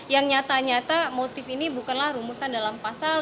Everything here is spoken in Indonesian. yang nyata nyata motif ini bukanlah rumusan dalam pasal